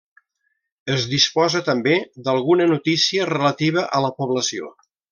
Es disposa també d'alguna notícia relativa a la població.